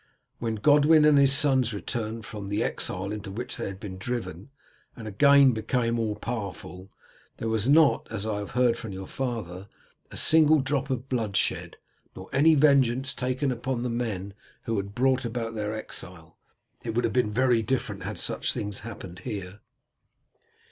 When Godwin and his sons returned from the exile into which they had been driven, and again became all powerful, there was not, as I have heard from your father, a single drop of blood shed, nor any vengeance taken upon the men who had brought about their exile. It would have been very different had such things happened here."